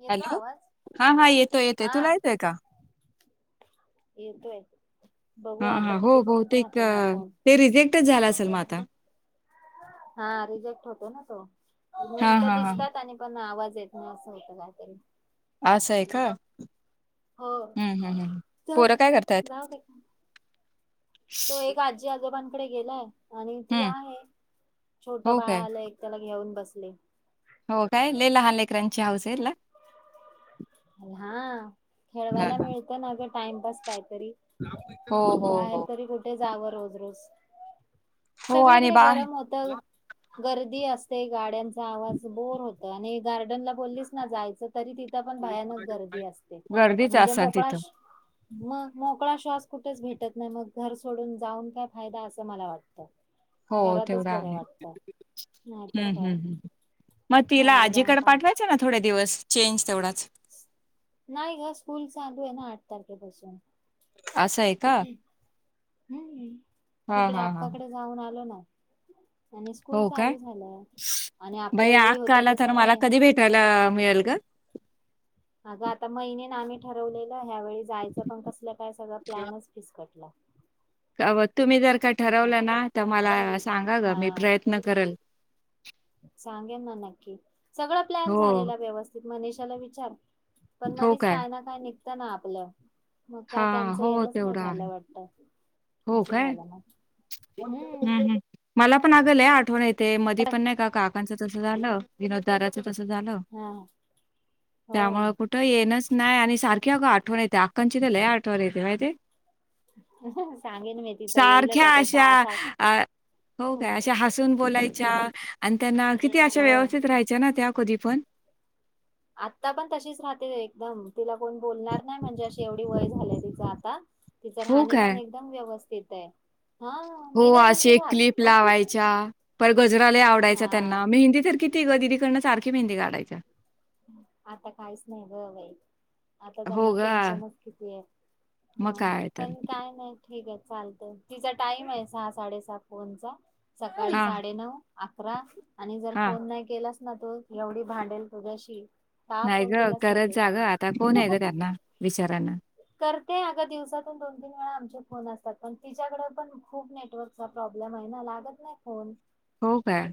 येतो हॅलो आवाज हा हा येतोय येतोय. तूला हा येतोय का? येतोय. हा बघूया हा आता हो कितीपर्यंत बहुतेक राहतोय हा फोन ते रिजेक्टच झाला असेल मग आता? हा रिजेक्ट होतो ना तो हा मिनट हा हा दिसतात आणि पण आवाज येत नाही असं होत काहीतरी. असं आहे का? हो हम्म हम्म हम्म. पोरं काय करतायत? जाऊ दे तो एक आजी आजोबां च्या कडे गेलाय आणि ती हम्म आहे छोट हो बाळा काय आला एक त्याला घेऊन बसलेय. हो काय लई लहान लेकरांची हाऊस हाय तिला. हा खेळवायला मिळत ना टाइमपास काय तरी हो हो बाहेर हो तरी कुठे जावं रोज रोज हो आणि सगळीकडे बा गरम होत गर्दी असते गाड्यांचा आवाज बोर होत आणि गार्डनला बोल्लीस ना जायचं तरी तिथ पण भयानक गर्दी असते गर्दीच म्हणजे असेल मोकळा तिथं मग मोकळा श्वास कुठेच भेटत नाय मग घर सोडून जाऊन काय फायदा असं मला वाटतं. हो घरातच तेवढा बरं आहे वाटतं नाहीतर हम्म काय हम्म हम्म. मग तिला बाहेर जाऊन आजीकडे काय पाठवायचं ना थोडे दिवस चेंज तेवढाच. नाही ग स्कूल चालू आहे ना आठ तारखेपसून. असं आहे का. हम्म हा तिकडे हा हा अक्काकडे जाऊन आलो ना. आणि स्कूल हो काय चालू झालंय. बाई आक्काला तर मला कधी भेटायला मिळेल ग. अग आता मैणीन आम्ही ठरवले का ह्यावेळी जायचं पण कसलं काय सगळं प्लॅनच फिसकटला. काव तुम्ही जर का ते पण ठरवलं ना तर मला सांगा ग मी हा प्रयत्न करल. सांगेन ना नक्की सगळां प्लॅन हो, झालेला व्यवस्थित मनीषाला विचार. पण मधीच काय ना काय निघत ना आपलं. म का हां, त्यांचं हो येनच नाही तेवढं झालं आहे. वाटत. हो काय हम्म हं मला पण आगलय आठवण ये ते मधी पण नाही का काकांचं तसं झालं. विनोद दादाच तस झालं हा हो त्यामुळ कुठं येणच नाय आणि सार की अग आठवण येते अकांची तर लय आठवण येते म्हाईतेय. [inaudible] तिचा येईलच सारख्या आता अशा सहा सात अ हो हं, काय अशा हसून बोलायच्या आणि त्यांना किती अशा हो. व्यवस्थित राहायच्या ना त्या कधी पण. आत्ता पण तशीच राहते एकदम तिला कोण बोलणार नाही म्हणजे अशी एवढी वय झालंय तिचं आता तिचं हो काय? राहणीमान एकदम व्यवस्थित आहे. हा हो मी नाही अशी तशी एक क्लिप राहत लावायच्या पण गजरालय आवडायचा हा त्यांना मेहंदी तर किती ग दीदी कडन सारखी मेंदी काढायच्या. आता काहीच नाही ग बाई आता हो त्यांना गं, टेन्शनच कितीये. मग हा काय तर. पण काय नाही ठीक आहे चालतं तिचा टाइम आहे सहा साडेसात पोनचा सकाळी हां, साडेनऊ अकरा आणि जर हां. फोन नाही केलास ना तू एवढी भांडेल तुझ्याशी का नाही फोन ग केलाच नाही करत ते जा ग सांग आता कोण आहे ग त्यांना विचारा करते अग दिवसातून दोन तीन वेळा आमचे फोन अस तात पण तिच्याकड पण खूप नेटवर्कचा प्रॉब्लेम आहे ना लागत नाही फोन. हो काय.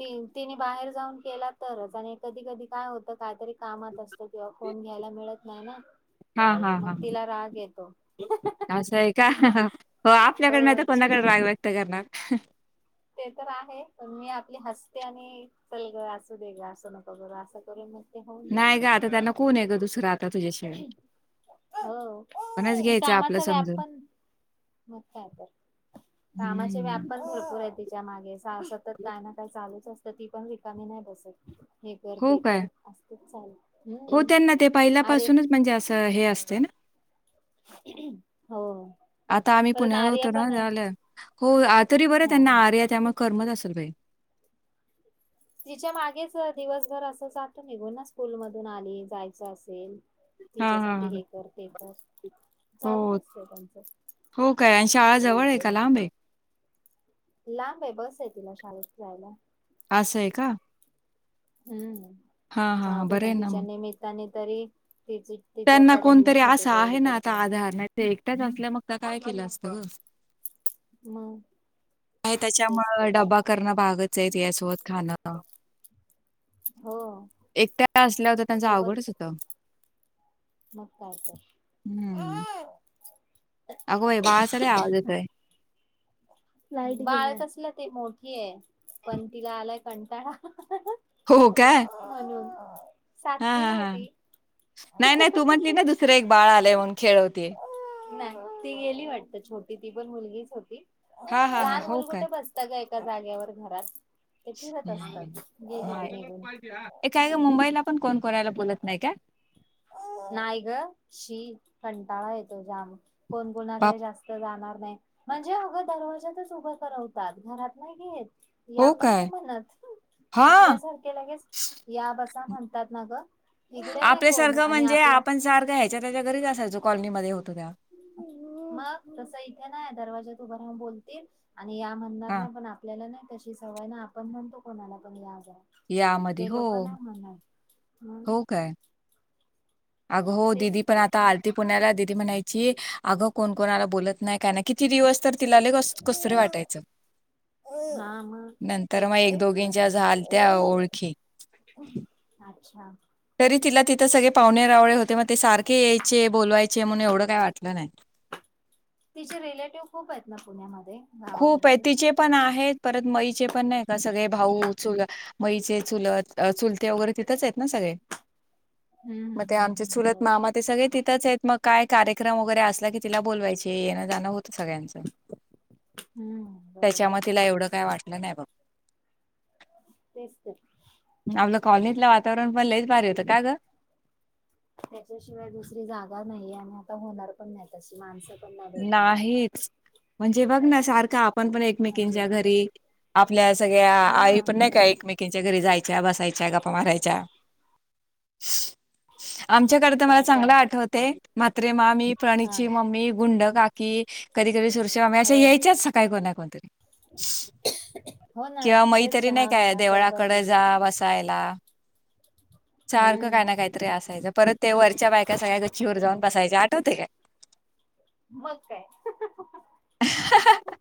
त तिने बाहेर जाऊन केला तरच आणि कधी कधी काय होतं कायतरी कामात असतं किंवा फोन घ्यायला मिळत नाही ना हां, हां, मग हां. तिला राग येतो. असं आहे का हो आपल्याकड नाही तर कोणाकडे राग व्यक्त करणार. ते तर आहे पण मी आपली हस्ते आणि चलग असुदे ग असं नको करु असं करून मग ते होऊन नाही ग जातं आता त्यांना कोण आहे ग दुसरं आता तुझ्याशिवाय आपणच हो घ्यायचं आपलं कामाचा व्याप समजून. पण म काय तर- कामाचे व्याप हं. पण भरपूर आहेत तिच्या मागे सतत काय ना काय चालुच असतं ती पण रिकामी नाही बसत. हे कर हो ते काय कर असतच चालू हो हम्म त्यांना ते अरे पहिल्यापासुनच म्हणजे असं हे असते ना हो आता आम्ही परत पुण्याला आर्या पण आहे उतरणार [inaudible] हो आ तरी बरं हा त्यांना हा आर्या त्यामुळे करमत असेल बाई. तिच्या मागेच दिवसभर असं जातो निघुन ना स्कूल मधून आली जायचं असेल हां, हां, तिच्यासाठी हां. हे कर ते कर चालूच हो, असते त्यांचं हो काय आणि शाळा जवळ आहे का लांब आहे? लांब आहे बस आहे तिला शाळेत जायला. असंय का. हम्म हां, हां, जाऊ हां. दे बरं पण आहे ना तिच्या मग. निमित्ताने तरी तिची तिच त्यांना कोणतरी करमणूक होते असा तेवढी आहे ना तरी आता आधार नाही ते एकट्याच असल्या मग आता काय केलं असत ग मग आहे तेच त्याच्यामुळ तर डबा करणं भागच आहे यासोबत खाणं हो एकट्या असल्यावर तर त्यांचं सोबत अवघडच होत. मग काय तर. हम्म. अगो बाई बाळाचा लय आवाज येतोय. बाळ तसलं ते मोठी ही पण तिला आलाय कंटाळा. म्हणून हा हा सातवीला आहे हा ती नाही नाही तु म्हटली ना दुसरे एक बाळ आले म्हणून खेळवते. नाही ती गेली वाटत छोटी ती पण मुलगीच होती हां, हां, हां. लहान हो मुलं काय? कुठे बसत ग एका जाग्यावर घरात. ते फिरत असतात ये गेली ती निघून काय ग मुंबईला पण कोण कोणाला बोलत नाहीय का? नाही ग शी कंटाळा येतो जाम कोण बाप कोणाकडे जास्त जाणार नाही म्हणजे अगं दरवाजाच उभं करवतात घरात नाही घेत. या हो पण काय नाही म्हणत. हा आपल्यासारखे लगेच या बसा म्हणतात ना ग इकडे नाही कोण आपल्यासारखं आणि म्हणजे आपल्या आपण सारखं ह्याच्या त्याच्या घरीच असायचो कॉलनीमध्ये त्या मग तसं इथे नाही दरवाज्यात उभ राहुन बोलतील आणि या म्हणणार हा नाही पण आपल्याला नाही तशी सवय ना आपण म्हणतो कोणाला पण या जा. या मध्ये ते हो. लोक नाही म्हणणार मग हो काय? अग हो तेच दिदी पण तर आता आलती पुण्याला दि दी म्हणायची अग कोण कोणाला बोलत नाही काय नाही किती दिवस तर तिला लय कसं तरी वाटायचं हा मग नंतर मग एकट एक दोघींच्या झालत्या एकट ओळखी. अच्छा तरी तिला तिथं सगळे पाहुणे रावळे होते मग ते सारखे यायचे बोलवाय चे म्हणून एवढं काय वाटलं नाही. तिचे रिलेटिव्ह खूप आहेत पुण्यामध्ये खुप आहे गावाकडचे. तिचे पण आहेत परत मयी चे पण नाही का सगळे भाऊ चुल मयीचे चुलत चुलते वेगैरे तिथेच आहेत ना सगळे. हम्म मग हम्म ते आमचे हम्म सुलत बरोबर. मामा ते सगळे तिथंच आहेत मग काय कार्यक्रम वेगैरे असला की तिला बोलवायचे येणं जाणं होत सगळ्यांचं. हम्म त्याच्या म बरोबर तिला एवढं काय वाटलं नाही बघ तेच तर. आपलं कॉलनीतलं वातावरण पण लईच भारी होतं. का ग त्याच्याशिवाय दुसरी जागा नाही आणि आता होणार पण नाही तशी माणस नाहीच म्हणजे बघ ना सारख आप पण पण एकमेकीच्या अजिबात घरी आपल्या सगळ्या हा आई पण नाही का एकमेकीच्या घरी जाय च्या, बसायच्या गप्पा मारायच्या आमच्याकडे तर मला काय काय चांगलं आठवते मात्रे मामी हा प्रणीची मम्मी कुंड काकी कधी कधी सुरशवामे असा हो यायच सकाळी कोणा कोण. हो ना किंवा तेच मैत्रिणी नाही चहा काय व्हायला सरबत देवळाकडे जाव अस करायला, सारख काय हम्म ना काहीतरी असायच परत ते वरच्या बायका सगळ्या गच्छवर जाऊन बसायच्या आठवते काय? मग काय हा हा ह ह ह ह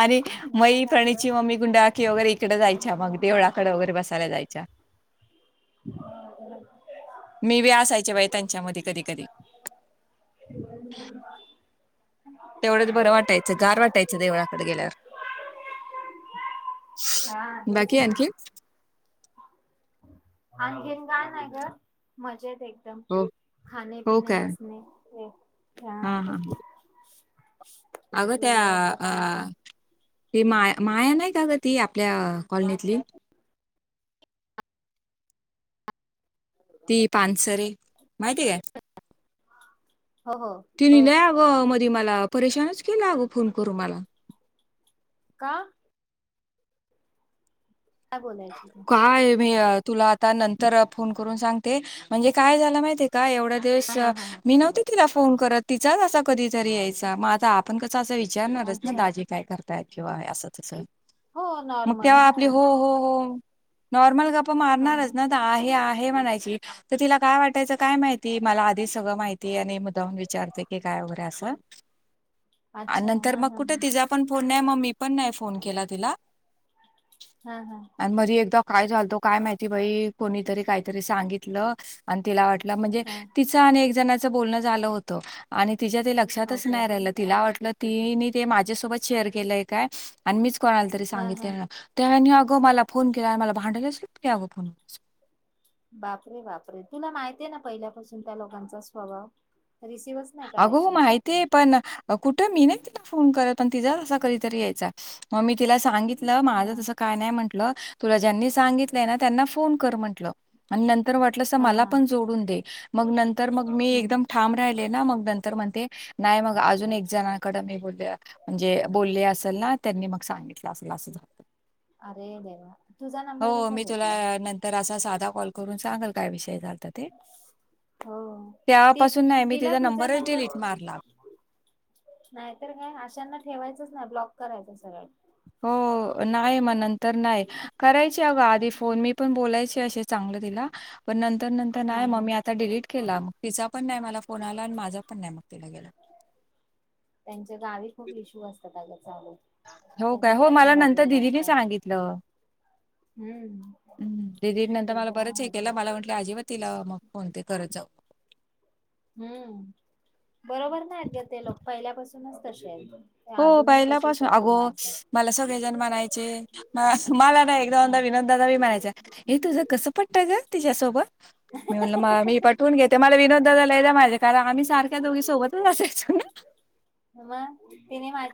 अरे आठवायला काय ग मईप्रणीची मम्मी गुंडाळकी वगैरे इकडे जायच्या मग देवळाकडे वगैरे बसायला जायच्या. [inaudible] हा मी बी असायच्या बाय त्यांच्यामध्ये कधी कधी. [inaudible] तेवढंच बरं वाटायचं गार वाटायचं देवळाकडे गेल्यावर. हा बस बाकी ना आणखी? आणखीन काय नाही ग मजेत हे दम हो. खाणे पिने बसणे [unintelligible] हा हा ह आग त्या वेगळं असं काहीच अ नाही [unintelligible] त मा माया नाही का ग ती आपल्या कॉलनीतली? ती पानसरीे माहिती का? हो हो तिने हो लय अगं मध्ये मला परेशानच केलं अगं फोन करून मला. का? काय बोलायची ती काय य मी तुला आता नंतर फोन करून सांगते म्हणजे काय झाला माहितीय का एवढ ते हा श हा हा मी नव्हते तिला फोन करत तिचा असा कधीतरी याय सा मा धा हा अच्छा हो नॉर्मल हो. हो नॉर्मल गप्पा हा मारणारच हा ना आहे आहे म्हणायची तर तिला काय वाटायचं काय माहिती मला आधी सगळं माहिती आणि मुद्दाम विचारते की काय. वगैरे असं अच्छा आण हा म हा कुठे हा तिचा फोन नाय मग मी पण फोन नाही केला हा हा [unintelligible] काय चालतो काय माहिती बाई कोणीतरी काहीतरी सांगितलं आणि तिला वाटल म्हणजे हा तिचा आणि एक जणांचं बोलणं झालं होतं आणि तिच्या ते लक्षातच ओके नाही राहिलं तिला वाटलं तिने ते माझ्यासोबत शेअर केलं काय आणि मीच कोणाला तरी हा हा सांगितले [unintelligible] अगं मला फोन केला मला भांडलली स्पकेगं फोनवर. बापरे बापरे तुला माहित आहेे ना पहिल्यापासून त्या लोकांचा स्वभाव? रिसिव्हच नाही अगो करायचे अशे माहिती फोन आहे पण कुठे मी नाही तिला फोन करत पण तिचा अस कधीतरी यायचा मग मी तिला सांगित [unintelligible] ना हा माझं तास का नाही म्हटलं तु ज्यांनी सांगितलंय त्यांना फोन कर म्हटल. तर हा मला हा पण जोडून दे मग नंतर मग मी हम्म एकदम ठाम राहील. मग नंतर म्हणते नाही मग अजून एक जणकडे मी बोलले म्हणजे बोलले असेल ना त्यांनी मग सांगितलं असेल असं झालं. अरे देवा तुझा हो नंबर कसा मी तुला भेटला नंतर असा साधा कॉल करून सांगल काय विषय झाला. ते. हो ती त्यापासून नाही मी तिला तिचा तुझा नंबर डिलीट मारला. नाहीतर काय अशांना ठेवायचंच नाही ब्लॉक करायचं सगळं हो नाही म नंतर नाही करायची अगं आधी फोन मी पण बोलायचे असे चांगलं तिला पण नंतर तर नंतर नाही मग हा मी आता डिलीट केला मग तिचा पण नाही मला फोन आला आणि माझा पण नाही मग तिला गेला थँक गावी खूप इशू असतात अग चालू हो त्या काय? हो कुठे एका मला नंतर जागेवर दिदीने असतात. हम्म हम् दिदी नंतर ते मला तर बरतच हे आहे केला मला म्हटलं अजिबात तिला मग फोन ते करत जाऊ हम्म बरोबर! नाही ग ते लोक पहिल्यापासूनच तसे आहेत. ते हो अजूनही पहिल्या तसेच पाासून आहेत ते अगो माणसं मला सगळेजण म्हणायचे मला ना ह एकदा विनोददादा म्हणायचा, 'हे तुझं कसं पटत गं तिच्यासोबत? ' मी म्हणलं, 'म मी पटवून घेते' मला विनोददादाला द माझे कारण आम्ही सारख्या दोघी सोबतच असायचो ना. मग,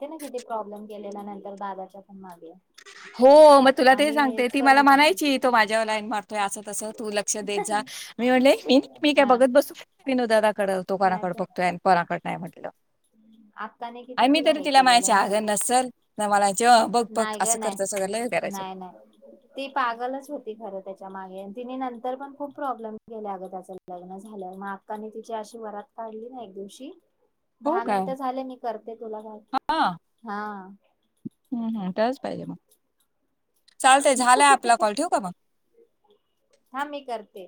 तीन किती प्रॉब्लेम केलेल्या नंतर दादाच्या पण मागे? हो, मग तुला ते आम्ही सांगते हेच ती मला करून टाकू म्हणायची तो माझ्यावर लाईन मारतोय असं. तस तू लक्ष देत जा. मी म्हटले, 'मी? मी काय हा बघत बसत विनोदाकड तो नाही कोणाकडे तर बघतोय? ' [unintelligible] आक्काने आणि किती मी तरी हे तिला केलेलं म्हणायचे आगं माहित नसेल मला बघ बघ नाही अस ग नाही नाही ती पागलच होती खर त्याच्या मागे तिने नं तर पण खूप प्रॉब्लेम गेले अगं, त्याच लग्न झालं मग अक्काने तिची अशी वरात काढली ना एक दिवशी. हो दहा काय? मिनट झाले मी करते तुला का हा हम्म हम् काच पाहिजे मग, चालत झालंय आपला कॉल ठेवू का मग? हा मी करते.